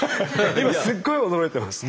今すっごい驚いてます。